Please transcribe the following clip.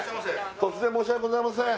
突然申し訳ございません